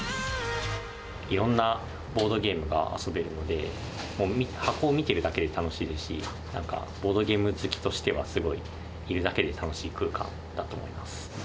いろんなボードゲームが遊べるので、箱を見てるだけで楽しいですし、なんか、ボードゲーム好きとしては、すごいいるだけで楽しい空間だと思います。